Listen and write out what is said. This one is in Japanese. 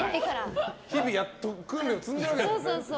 日々訓練を積んでるわけですね。